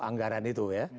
anggaran itu ya